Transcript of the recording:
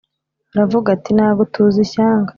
Aravuga ati”Nagutuza ishyanga